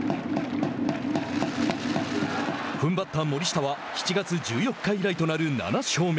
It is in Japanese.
ふんばった森下は７月１４日以来となる７勝目。